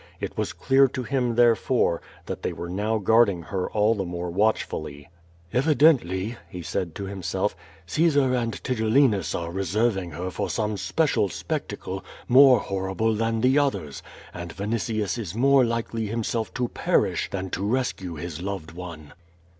It was clear to him, therefore, that they were now guarding her all the more watchfully. "Evidently,^' he said to himself, "Caesar and Tigellinus are reserving her for some special spectacle, more horrible than the others, and Vinitius is more likely himself to perish than to rescue his loved one.